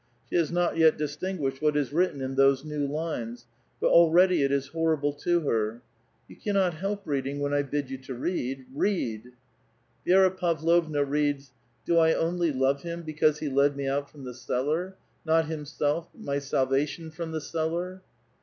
She has not yet distinguished what is written in those new lines, but already it is horrible to her. " You cannot help reading, when I bid you to read. Reaxl 1 " Vi^ra Pavlovna reads :—" Do I only love him because he led me out from the cel lar—not himself, but my salvation from the cellar?"